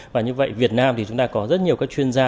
và như vậy việt nam thì chúng ta có rất nhiều các chuyên gia